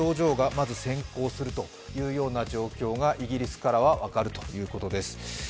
まず先行する状況がイギリスからは分かるということです。